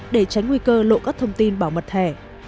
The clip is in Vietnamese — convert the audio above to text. để tránh nguy cơ lộ các thông tin bảo mật thẻ